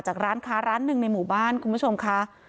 ร้านค้าร้านหนึ่งในหมู่บ้านคุณผู้ชมค่ะ